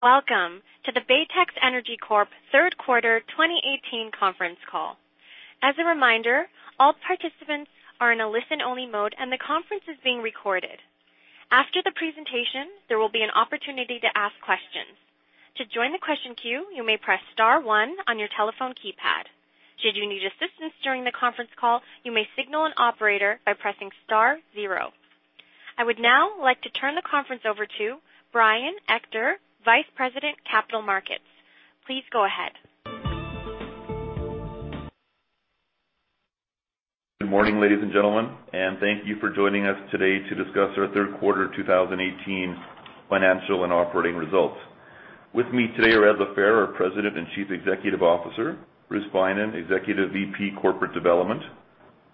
Welcome to the Baytex Energy Corp third quarter 2018 conference call. As a reminder, all participants are in a listen-only mode, and the conference is being recorded. After the presentation, there will be an opportunity to ask questions. To join the question queue, you may press star one on your telephone keypad. Should you need assistance during the conference call, you may signal an operator by pressing star zero. I would now like to turn the conference over to Brian Ector, Vice President, Capital Markets. Please go ahead. Good morning, ladies and gentlemen, and thank you for joining us today to discuss our third quarter 2018 financial and operating results. With me today are Ed LaFehr, our President and Chief Executive Officer, Bruce Beynon, Executive VP, Corporate Development,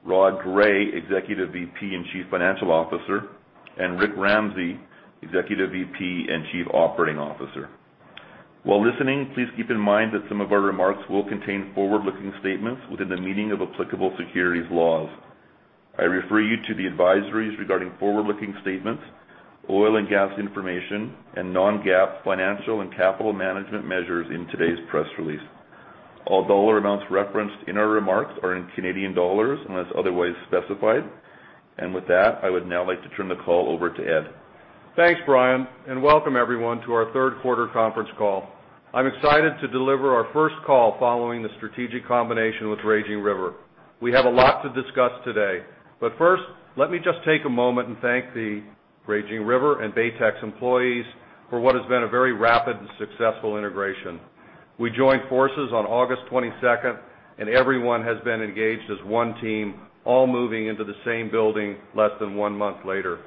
Rod Gray, Executive VP and Chief Financial Officer, and Rick Ramsay, Executive VP and Chief Operating Officer. While listening, please keep in mind that some of our remarks will contain forward-looking statements within the meaning of applicable securities laws. I refer you to the advisories regarding forward-looking statements, oil and gas information, and non-GAAP financial and capital management measures in today's press release. All dollar amounts referenced in our remarks are in Canadian dollars, unless otherwise specified. With that, I would now like to turn the call over to Ed. Thanks, Brian, and welcome everyone to our third quarter conference call. I'm excited to deliver our first call following the strategic combination with Raging River. We have a lot to discuss today, but first, let me just take a moment and thank the Raging River and Baytex employees for what has been a very rapid and successful integration. We joined forces on August 22nd, and everyone has been engaged as one team, all moving into the same building less than one month later.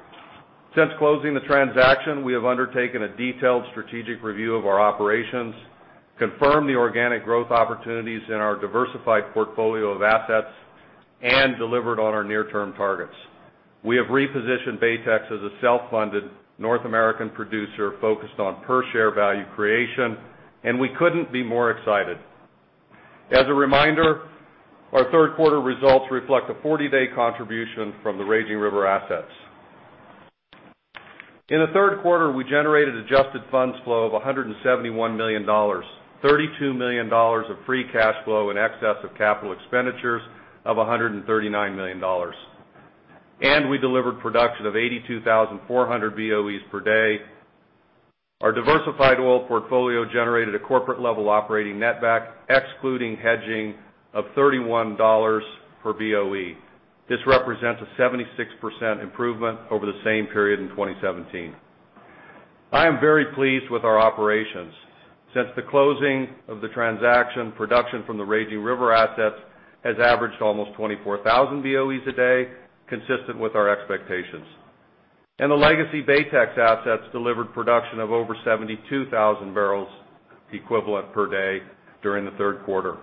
Since closing the transaction, we have undertaken a detailed strategic review of our operations, confirmed the organic growth opportunities in our diversified portfolio of assets, and delivered on our near-term targets. We have repositioned Baytex as a self-funded North American producer focused on per-share value creation, and we couldn't be more excited. As a reminder, our third quarter results reflect a 40-day contribution from the Raging River assets. In the third quarter, we generated adjusted funds flow of 171 million dollars, 32 million dollars of free cash flow in excess of capital expenditures of 139 million dollars, and we delivered production of 82,400 BOEs per day. Our diversified oil portfolio generated a corporate-level operating netback, excluding hedging, of 31 dollars per BOE. This represents a 76% improvement over the same period in 2017. I am very pleased with our operations. Since the closing of the transaction, production from the Raging River assets has averaged almost 24,000 BOEs a day, consistent with our expectations. And the legacy Baytex assets delivered production of over 72,000 barrels equivalent per day during the third quarter.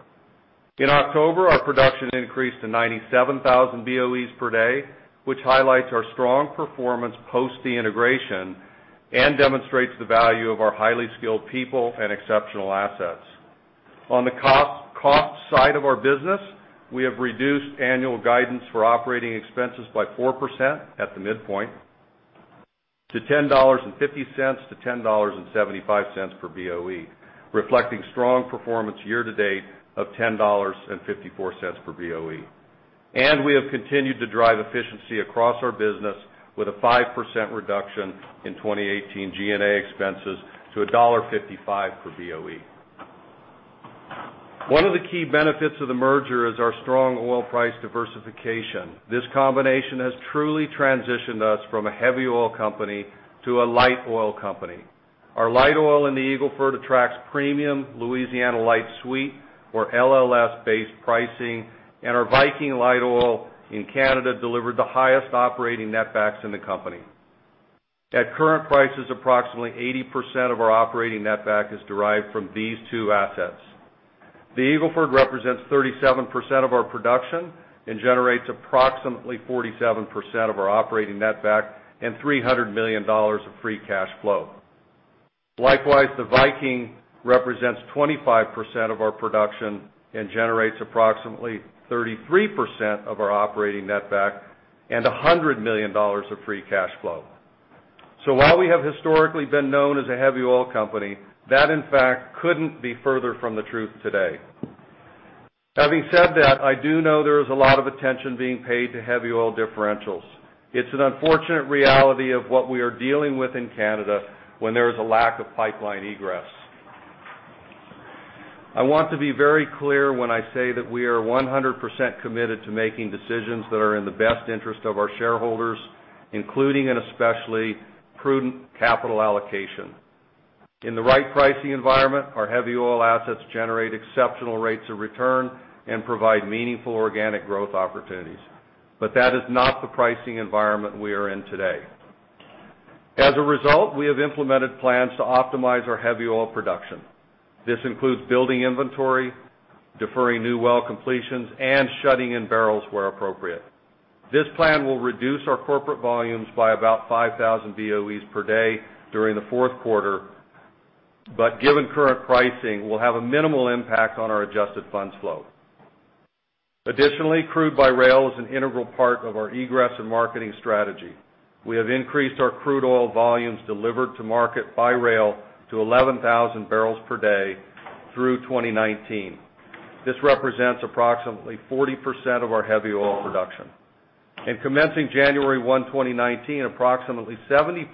In October, our production increased to 97,000 BOEs per day, which highlights our strong performance post the integration and demonstrates the value of our highly skilled people and exceptional assets. On the cost side of our business, we have reduced annual guidance for operating expenses by 4% at the midpoint to 10.50-10.75 dollars per BOE, reflecting strong performance year-to-date of 10.54 dollars per BOE. And we have continued to drive efficiency across our business with a 5% reduction in 2018 G&A expenses to dollar 1.55 per BOE. One of the key benefits of the merger is our strong oil price diversification. This combination has truly transitioned us from a heavy oil company to a light oil company. Our light oil in the Eagle Ford attracts premium Louisiana Light Sweet, or LLS-based pricing, and our Viking light oil in Canada delivered the highest operating netbacks in the company. At current prices, approximately 80% of our operating netback is derived from these two assets. The Eagle Ford represents 37% of our production and generates approximately 47% of our operating netback and 300 million dollars of free cash flow. Likewise, the Viking represents 25% of our production and generates approximately 33% of our operating netback and 100 million dollars of free cash flow. So while we have historically been known as a heavy oil company, that in fact, couldn't be further from the truth today. Having said that, I do know there is a lot of attention being paid to heavy oil differentials. It's an unfortunate reality of what we are dealing with in Canada when there is a lack of pipeline egress. I want to be very clear when I say that we are 100% committed to making decisions that are in the best interest of our shareholders, including and especially prudent capital allocation. In the right pricing environment, our heavy oil assets generate exceptional rates of return and provide meaningful organic growth opportunities, but that is not the pricing environment we are in today. As a result, we have implemented plans to optimize our heavy oil production. This includes building inventory, deferring new well completions, and shutting in barrels where appropriate. This plan will reduce our corporate volumes by about 5,000 BOEs per day during the fourth quarter, but given current pricing, will have a minimal impact on our adjusted funds flow. Additionally, crude by rail is an integral part of our egress and marketing strategy. We have increased our crude oil volumes delivered to market by rail to 11,000 barrels per day through 2019. This represents approximately 40% of our heavy oil production, and commencing January 1, 2019, approximately 70%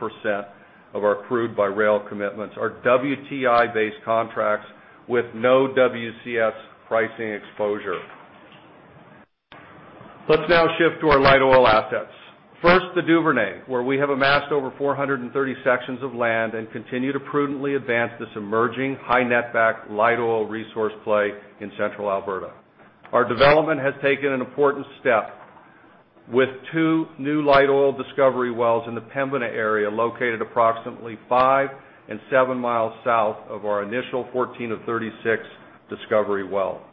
of our crude by rail commitments are WTI-based contracts with no WCS pricing exposure. Let's now shift to our light oil assets. First, the Duvernay, where we have amassed over 430 sections of land and continue to prudently advance this emerging high net back light oil resource play in Central Alberta. Our development has taken an important step with two new light oil discovery wells in the Pembina area, located approximately five and seven miles south of our initial 14-36 discovery well.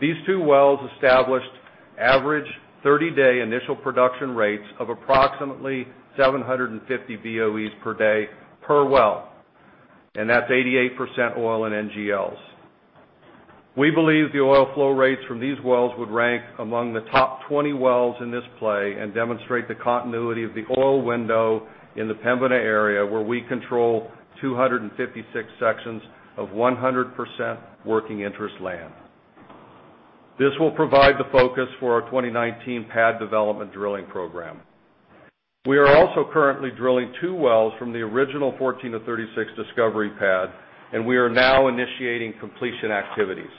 These two wells established average 30-day initial production rates of approximately 750 BOEs per day per well, and that's 88% oil and NGLs. We believe the oil flow rates from these wells would rank among the top 20 wells in this play and demonstrate the continuity of the oil window in the Pembina area, where we control 256 sections of 100% working interest land. This will provide the focus for our 2019 pad development drilling program. We are also currently drilling two wells from the original 14-36 discovery pad, and we are now initiating completion activities.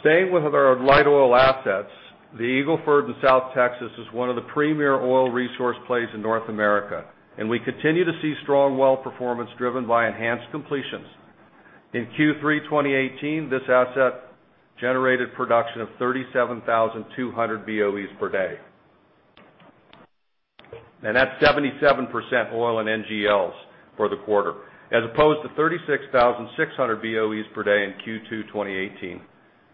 Staying with our light oil assets, the Eagle Ford in South Texas is one of the premier oil resource plays in North America, and we continue to see strong well performance driven by enhanced completions. In Q3 2018, this asset generated production of 37,200 BOEs per day, and that's 77% oil and NGLs for the quarter, as opposed to 36,600 BOEs per day in Q2 2018.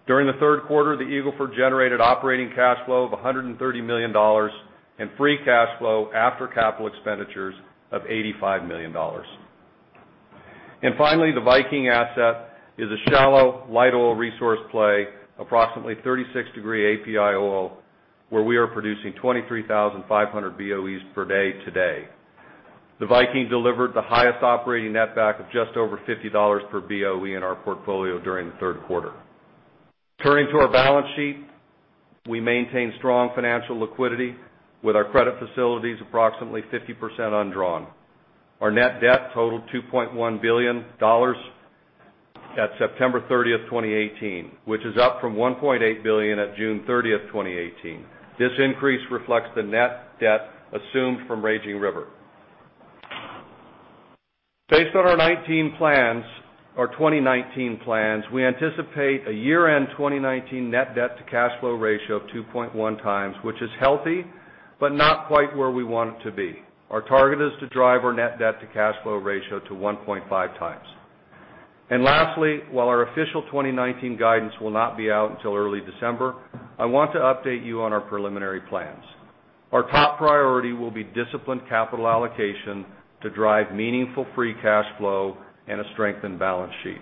During the third quarter, the Eagle Ford generated operating cash flow of 130 million dollars and free cash flow after capital expenditures of 85 million dollars, and finally, the Viking asset is a shallow light oil resource play, approximately 36-degree API oil, where we are producing 23,500 BOEs per day today. The Viking delivered the highest operating netback of just over 50 dollars per BOE in our portfolio during the third quarter. Turning to our balance sheet, we maintain strong financial liquidity with our credit facilities approximately 50% undrawn. Our net debt totaled 2.1 billion dollars at September 30th, 2018, which is up from 1.8 billion at June thirtieth, 2018. This increase reflects the net debt assumed from Raging River. Based on our 2019 plans, our 2019 plans, we anticipate a year-end 2019 net debt to cash flow ratio of 2.1x, which is healthy, but not quite where we want it to be. Our target is to drive our net debt to cash flow ratio to 1.5x. And lastly, while our official 2019 guidance will not be out until early December, I want to update you on our preliminary plans. Our top priority will be disciplined capital allocation to drive meaningful free cash flow and a strengthened balance sheet.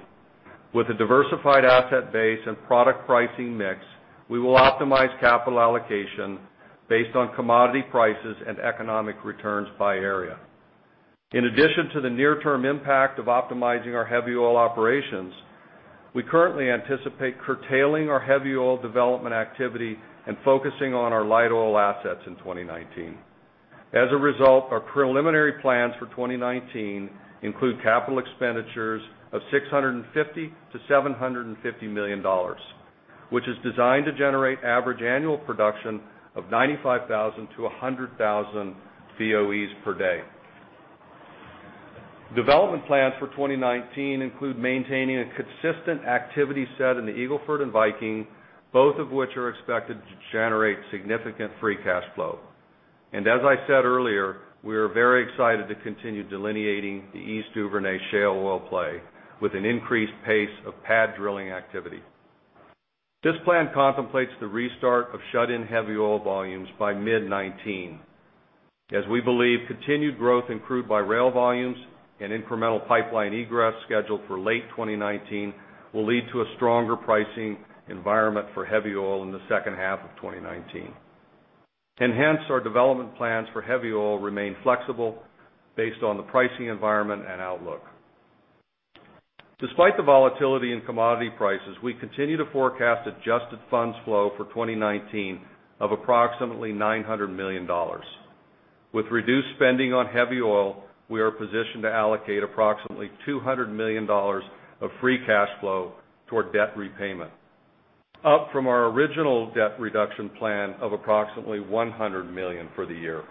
With a diversified asset base and product pricing mix, we will optimize capital allocation based on commodity prices and economic returns by area. In addition to the near-term impact of optimizing our heavy oil operations, we currently anticipate curtailing our heavy oil development activity and focusing on our light oil assets in 2019. As a result, our preliminary plans for 2019 include capital expenditures of 650 million-750 million dollars, which is designed to generate average annual production of 95,000-100,000 BOEs per day. Development plans for 2019 include maintaining a consistent activity set in the Eagle Ford and Viking, both of which are expected to generate significant free cash flow. And as I said earlier, we are very excited to continue delineating the East Duvernay shale oil play with an increased pace of pad drilling activity. This plan contemplates the restart of shut-in heavy oil volumes by mid-2019, as we believe continued growth in crude by rail volumes and incremental pipeline egress scheduled for late 2019 will lead to a stronger pricing environment for heavy oil in the second half of 2019, and hence, our development plans for heavy oil remain flexible based on the pricing environment and outlook. Despite the volatility in commodity prices, we continue to forecast adjusted funds flow for 2019 of approximately 900 million dollars. With reduced spending on heavy oil, we are positioned to allocate approximately 200 million dollars of free cash flow toward debt repayment, up from our original debt reduction plan of approximately 100 million for the year.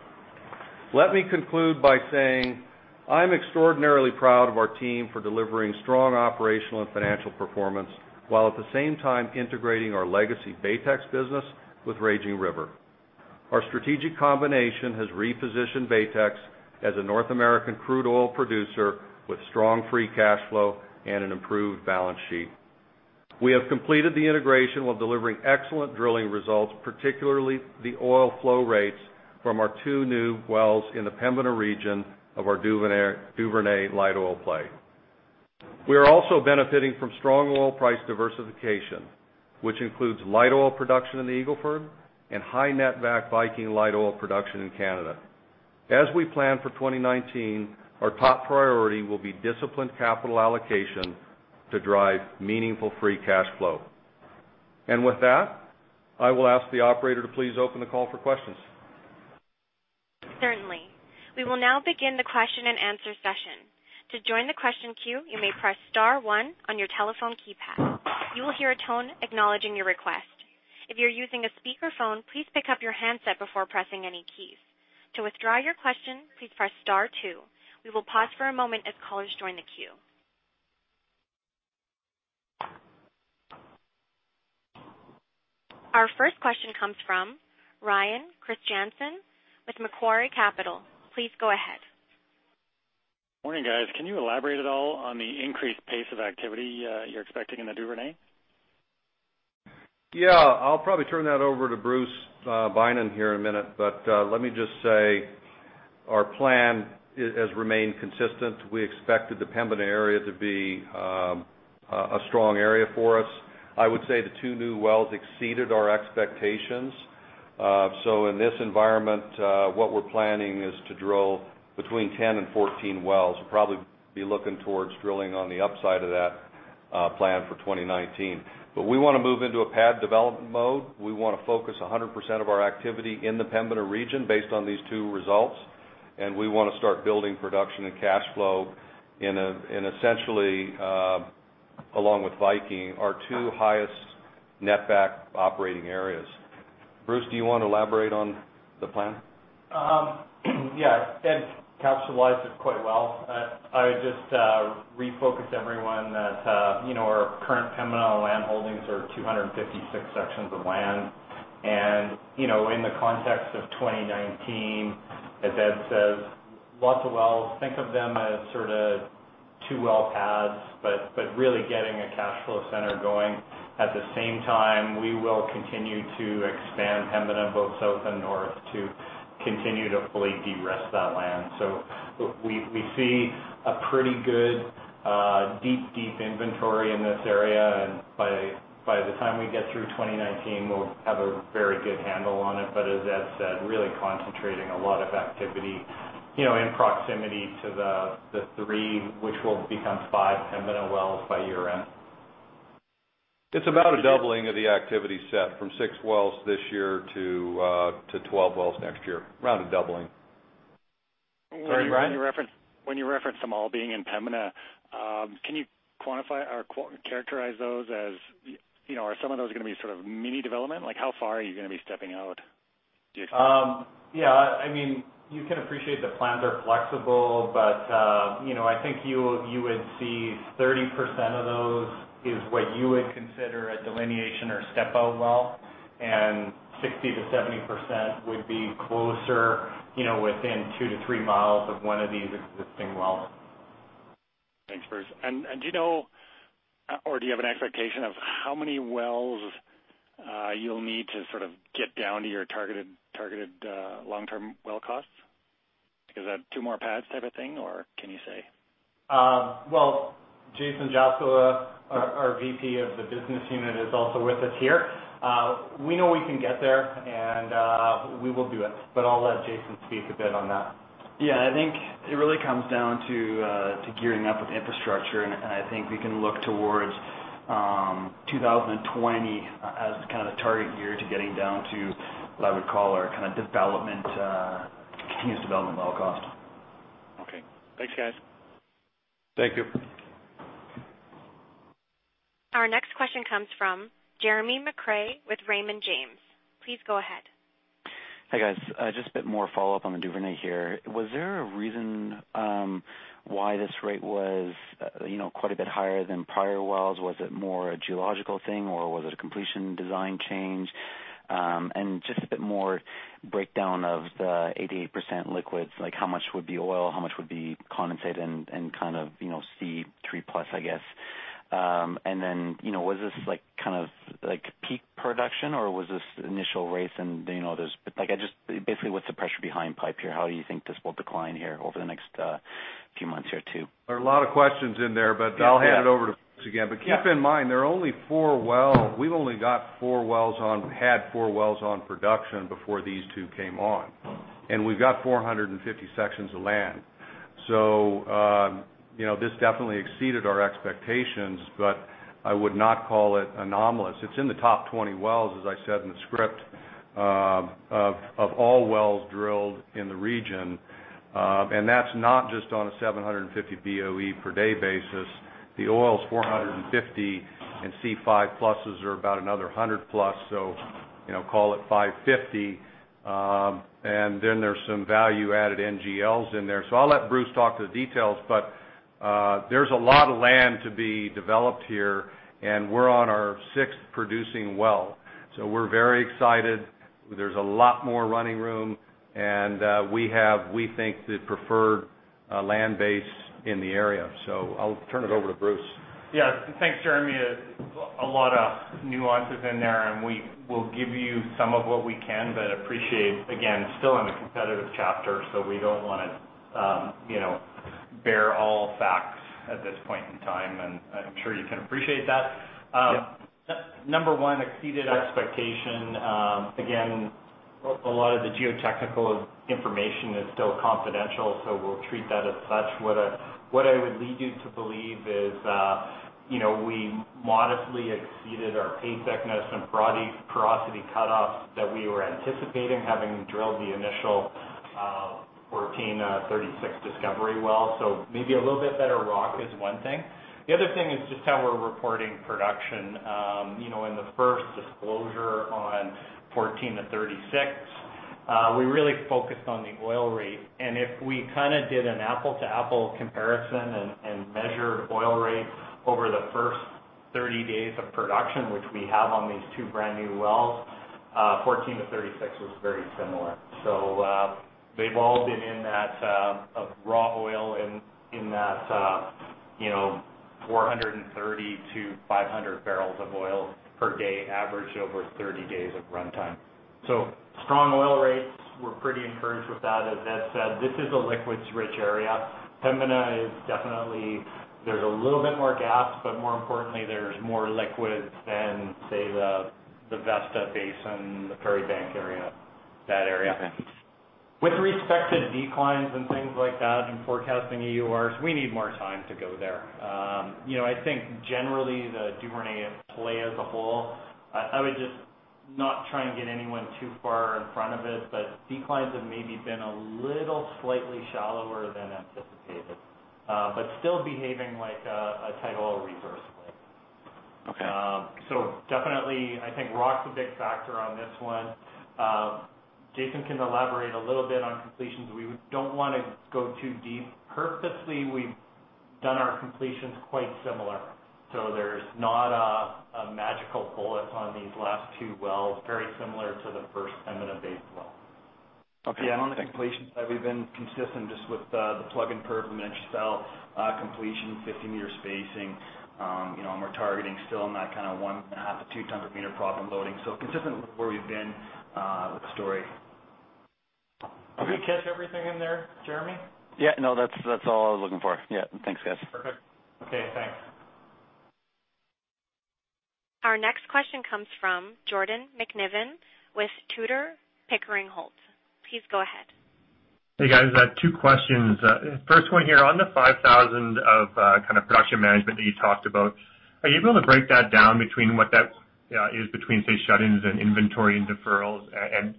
Let me conclude by saying, I'm extraordinarily proud of our team for delivering strong operational and financial performance, while at the same time integrating our legacy Baytex business with Raging River. Our strategic combination has repositioned Baytex as a North American crude oil producer with strong free cash flow and an improved balance sheet. We have completed the integration while delivering excellent drilling results, particularly the oil flow rates from our two new wells in the Pembina region of our Duvernay light oil play. We are also benefiting from strong oil price diversification, which includes light oil production in the Eagle Ford and high netback Viking light oil production in Canada. As we plan for 2019, our top priority will be disciplined capital allocation to drive meaningful free cash flow. And with that, I will ask the operator to please open the call for questions. Certainly. We will now begin the question-and-answer session. To join the question queue, you may press star one on your telephone keypad. You will hear a tone acknowledging your request. If you're using a speakerphone, please pick up your handset before pressing any keys. To withdraw your question, please press star two. We will pause for a moment as callers join the queue. Our first question comes from Brian Kristjansen with Macquarie Capital. Please go ahead. Morning, guys. Can you elaborate at all on the increased pace of activity you're expecting in the Duvernay? Yeah, I'll probably turn that over to Bruce Beynon here in a minute. But, let me just say, our plan has remained consistent. We expect the Pembina area to be a strong area for us. I would say the two new wells exceeded our expectations. So in this environment, what we're planning is to drill between 10 and 14 wells. We'll probably be looking towards drilling on the upside of that plan for 2019. But we wanna move into a pad development mode. We wanna focus 100% of our activity in the Pembina region based on these two results, and we wanna start building production and cash flow in essentially, along with Viking, our two highest netback operating areas. Bruce, do you want to elaborate on the plan? Yeah, Ed capsulized it quite well. I would just refocus everyone that you know, our current Pembina land holdings are 256 sections of land. You know, in the context of 2019, as Ed says, lots of wells. Think of them as sort of two well pads, but really getting a cash flow center going. At the same time, we will continue to expand Pembina, both South and North, to continue to fully de-risk that land. So we see a pretty good deep inventory in this area, and by the time we get through 2019, we'll have a very good handle on it. But as Ed said, really concentrating a lot of activity you know, in proximity to the three, which will become five, Pembina wells by year-end. It's about a doubling of the activity set from six wells this year to 12 wells next year. Around a doubling. When you- Sorry, Brian? When you reference them all being in Pembina, can you quantify or characterize those as, you know, are some of those gonna be sort of mini development? Like, how far are you gonna be stepping out, do you think? Yeah, I mean, you can appreciate the plans are flexible, but, you know, I think you would see 30% of those is what you would consider a delineation or step out well, and 60%-70% would be closer, you know, within two-three miles of one of these existing wells. Thanks, Bruce. And do you know, or do you have an expectation of how many wells you'll need to sort of get down to your targeted long-term well costs? Is that two more pads type of thing, or can you say? Well, Jason Jaska, our VP of the business unit, is also with us here. We know we can get there, and we will do it, but I'll let Jason speak a bit on that. Yeah, I think it really comes down to gearing up with infrastructure, and I think we can look towards 2020 as kind of the target year to getting down to what I would call our kind of development, continuous development well cost. Okay. Thanks, guys. Thank you. Our next question comes from Jeremy McCrea with Raymond James. Please go ahead. Hi, guys. Just a bit more follow-up on the Duvernay here. Was there a reason why this rate was, you know, quite a bit higher than prior wells? Was it more a geological thing, or was it a completion design change? And just a bit more breakdown of the 88% liquids, like, how much would be oil, how much would be condensate, and kind of, you know, C3 plus, I guess. And then, you know, was this, like, kind of like peak production, or was this initial rates and, you know, basically, what's the pressure behind pipe here? How do you think this will decline here over the next few months here, too? There are a lot of questions in there. Yeah. But I'll hand it over. Yeah. But keep in mind, there are only four wells. We've only got four wells on, had four wells on production before these two came on, and we've got 450 sections of land. So, you know, this definitely exceeded our expectations, but I would not call it anomalous. It's in the top 20 wells, as I said in the script, of all wells drilled in the region. And that's not just on a 750 BOE per day basis. The oil is 450, and C5 pluses are about another 100 plus, so, you know, call it 550. And then there's some value-added NGLs in there. So I'll let Bruce talk the details, but, there's a lot of land to be developed here, and we're on our sixth producing well. So we're very excited. There's a lot more running room, and we have, we think, the preferred land base in the area, so I'll turn it over to Bruce.... Yeah, thanks, Jeremy. A lot of nuances in there, and we will give you some of what we can, but appreciate, again, still in a competitive chapter, so we don't wanna, you know, bear all facts at this point in time, and I'm sure you can appreciate that. Yeah. Number one, exceeded expectation. Again, a lot of the geotechnical information is still confidential, so we'll treat that as such. What I would lead you to believe is, you know, we modestly exceeded our pay thickness and broad porosity cutoffs that we were anticipating, having drilled the initial 14 to 36 discovery well. So maybe a little bit better rock is one thing. The other thing is just how we're reporting production. You know, in the first disclosure on 14 to 36, we really focused on the oil rate. And if we kind of did an apple to apple comparison and measured oil rates over the first thirty days of production, which we have on these two brand new wells, 14 to 36 was very similar. So, they've all been in that, you know, 430 barrels-500 barrels of oil per day average over 30 days of runtime, so strong oil rates, we're pretty encouraged with that. As Ed said, this is a liquids rich area. Pembina is definitely. There's a little bit more gas, but more importantly, there's more liquids than, say, the Viking Basin, the Prairie Basin area, that area. Okay. With respect to declines and things like that, and forecasting EURs, we need more time to go there. You know, I think generally, the Duvernay play as a whole, I would just not try and get anyone too far in front of it, but declines have maybe been a little slightly shallower than anticipated, but still behaving like a tight oil resource play. Okay. So definitely, I think rock's a big factor on this one. Jason can elaborate a little bit on completions. We don't wanna go too deep. Purposely, we've done our completions quite similar, so there's not a magical bullet on these last two wells, very similar to the first Pembina Bay well. Okay. Yeah, on the completions side, we've been consistent just with the plug and perf and inch cell completion, 15-meter spacing. You know, and we're targeting still in that kind of one and a half to 2 tons of meter proppant loading. So consistent with where we've been with the story. Did we catch everything in there, Jeremy? Yeah. No, that's all I was looking for. Yeah, thanks, guys. Perfect. Okay, thanks. Our next question comes from Jordan McNiven with Tudor, Pickering, Holt & Co. Please go ahead. Hey, guys, I have two questions. First one here, on the 5,000 of kind of production management that you talked about, are you able to break that down between what that is between, say, shut-ins and inventory and deferrals? And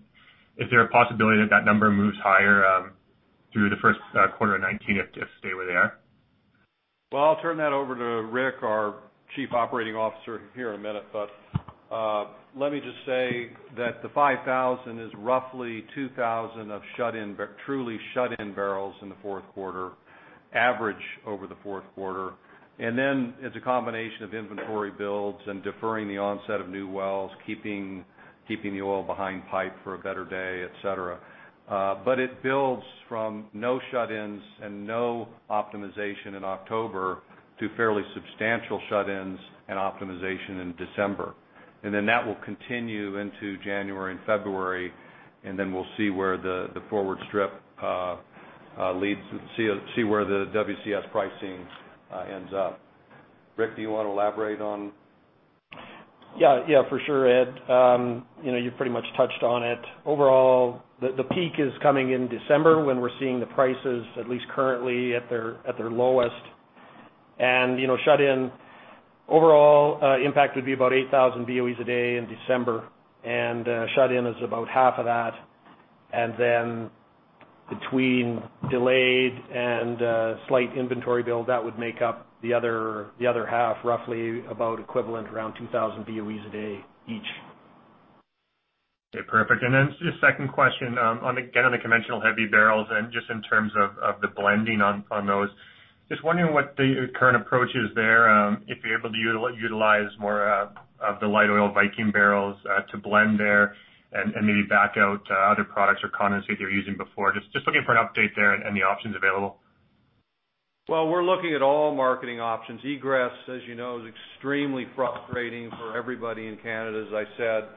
is there a possibility that that number moves higher through the first quarter of 2019, if they stay where they are? I'll turn that over to Rick, our Chief Operating Officer, here in a minute. Let me just say that the 5,000 is roughly 2000 of shut-in, but truly shut-in barrels in the fourth quarter, average over the fourth quarter. It's a combination of inventory builds and deferring the onset of new wells, keeping the oil behind pipe for a better day, et cetera. It builds from no shut-ins and no optimization in October to fairly substantial shut-ins and optimization in December. That will continue into January and February, and then we'll see where the forward strip leads, see where the WCS pricing ends up. Rick, do you want to elaborate on? Yeah, yeah, for sure, Ed. You know, you pretty much touched on it. Overall, the peak is coming in December, when we're seeing the prices, at least currently, at their lowest. And, you know, shut-in overall impact would be about 8,000 BOEs a day in December, and shut-in is about half of that. And then between delayed and slight inventory build, that would make up the other 1/2, roughly about equivalent, around 2,000 BOEs a day each. Okay, perfect. And then just second question, on again, on the conventional heavy barrels and just in terms of, of the blending on, on those. Just wondering what the current approach is there, if you're able to utilize more, of the light oil Viking barrels, to blend there and, and maybe back out, other products or condensate you're using before? Just looking for an update there and, and the options available. We're looking at all marketing options. Egress, as you know, is extremely frustrating for everybody in Canada, as I said,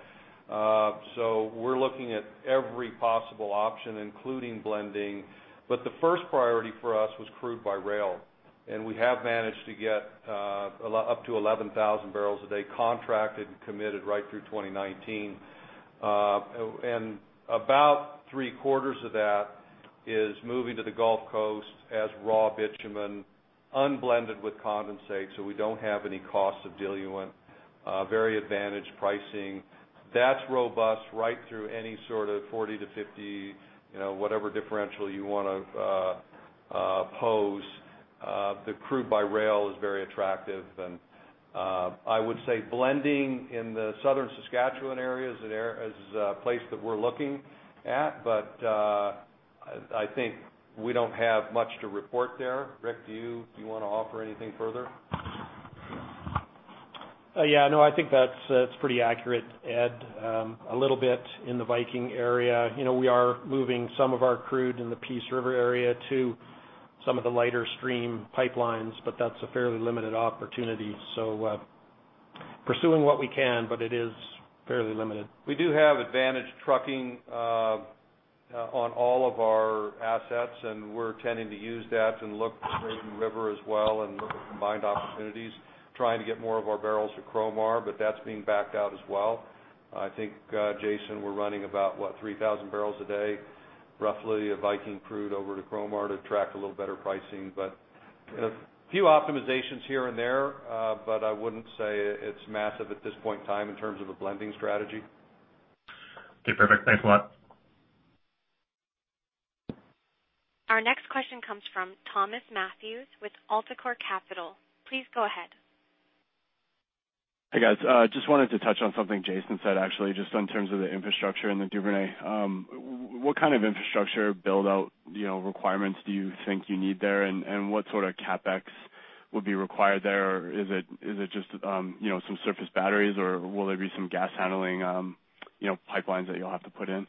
so we're looking at every possible option, including blending, but the first priority for us was crude by rail, and we have managed to get a lot up to 11,000 barrels a day, contracted and committed right through 2019, and about 3/4 of that is moving to the Gulf Coast as raw bitumen, unblended with condensate, so we don't have any cost of diluent. Very advantaged pricing. That's robust right through any sort of 40-50, you know, whatever differential you wanna pose. The crude by rail is very attractive and I would say blending in the Southern Saskatchewan area is a place that we're looking at, but I think we don't have much to report there. Rick, do you wanna offer anything further? Yeah, no, I think that's that's pretty accurate, Ed. A little bit in the Viking area. You know, we are moving some of our crude in the Peace River area to some of the lighter stream pipelines, but that's a fairly limited opportunity, so pursuing what we can, but it is fairly limited. We do have advantage trucking, on all of our assets, and we're tending to use that and look to Peace River as well, and look at combined opportunities, trying to get more of our barrels to Cromer, but that's being backed out as well. I think, Jason, we're running about, what, 3,000 barrels a day, roughly, of Viking crude over to Cromer to attract a little better pricing. But, you know, a few optimizations here and there, but I wouldn't say it's massive at this point in time in terms of a blending strategy. Okay, perfect. Thanks a lot. Our next question comes from Thomas Matthews with AltaCorp Capital. Please go ahead. Hey, guys. Just wanted to touch on something Jason said, actually, just in terms of the infrastructure in the Duvernay. What kind of infrastructure build-out, you know, requirements do you think you need there? And what sort of CapEx would be required there? Is it just, you know, some surface batteries, or will there be some gas handling, you know, pipelines that you'll have to put in?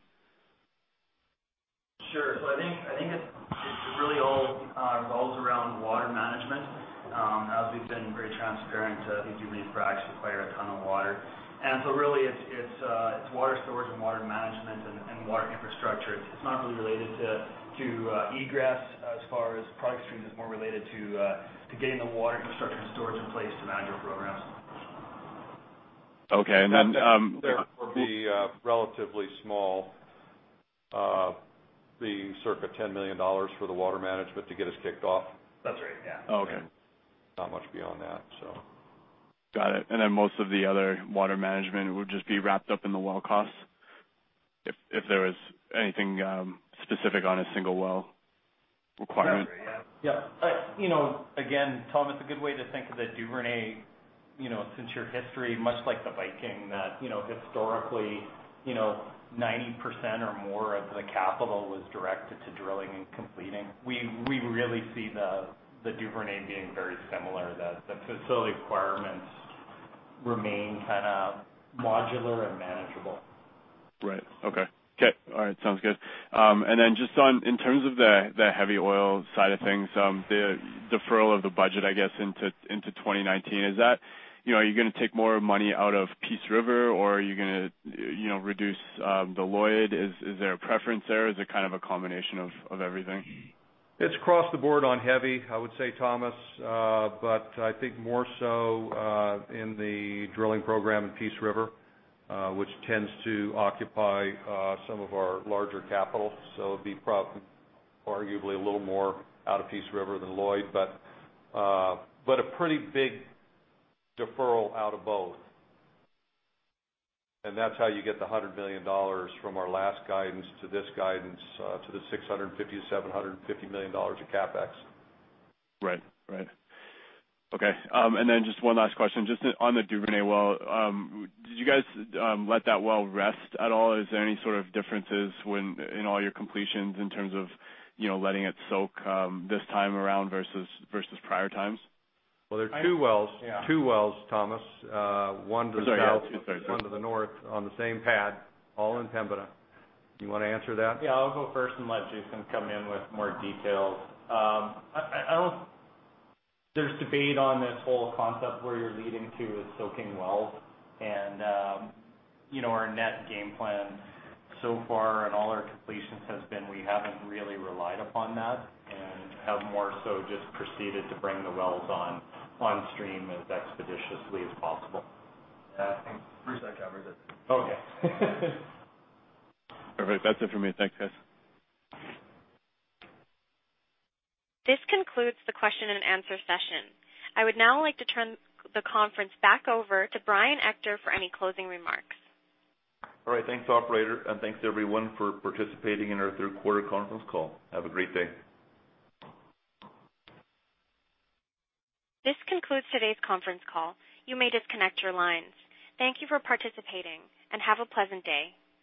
Sure. So I think it really all revolves around water management. As we've been very transparent, these fracs require a ton of water. And so really, it's water storage and water management and water infrastructure. It's not really related to egress as far as product stream. It's more related to getting the water infrastructure and storage in place to manage your programs. Okay, and then, There will be relatively small, being circa 10 million dollars for the water management to get us kicked off. That's right, yeah. Okay. Not much beyond that, so. Got it. And then most of the other water management would just be wrapped up in the well costs, if there was anything specific on a single well requirement? That's right, yeah. Yeah, you know, again, Tom, it's a good way to think of the Duvernay, you know, since your history, much like the Viking, that, you know, historically, you know, 90% or more of the capital was directed to drilling and completing. We really see the Duvernay being very similar, that the facility requirements remain kind of modular and manageable. Right. Okay. All right, sounds good. And then just on—in terms of the heavy oil side of things, the deferral of the budget, I guess, into twenty nineteen, is that? You know, are you gonna take more money out of Peace River, or are you gonna, you know, reduce the Lloyd? Is there a preference there? Is it kind of a combination of everything? It's across the board on heavy, I would say, Thomas, but I think more so, in the drilling program in Peace River, which tends to occupy, some of our larger capital. So it'd be probably arguably a little more out of Peace River than Lloyd, but, but a pretty big deferral out of both. And that's how you get the 100 million dollars from our last guidance to this guidance, to the 650 million-750 million dollars of CapEx. Right. Right. Okay, and then just one last question, just on the Duvernay well, did you guys let that well rest at all? Is there any sort of differences when, in all your completions, in terms of, you know, letting it soak, this time around versus prior times? Well, there are two wells- Yeah. Two wells, Thomas. One to the south- Sorry. Yeah.... one to the north, on the same pad, all in Pembina. Do you want to answer that? Yeah, I'll go first and let Jason come in with more details. I don't-- There's debate on this whole concept where you're leading to with soaking wells. And, you know, our net game plan so far in all our completions has been, we haven't really relied upon that and have more so just proceeded to bring the wells on stream as expeditiously as possible. Yeah, I think Bruce that covers it. Okay. Perfect. That's it for me. Thanks, guys. This concludes the question and answer session. I would now like to turn the conference back over to Brian Ector for any closing remarks. All right. Thanks, operator, and thanks everyone for participating in our third quarter conference call. Have a great day. This concludes today's conference call. You may disconnect your lines. Thank you for participating, and have a pleasant day.